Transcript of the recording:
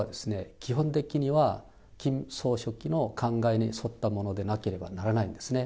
基本的にはキム総書記の考えに沿ったものでなければならないんですね。